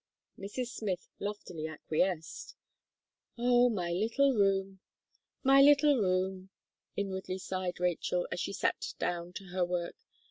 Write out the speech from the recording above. Mrs. Smith loftily acquiesced. "Oh! my little room my little room!" inwardly sighed Rachel, as she sat down to her work.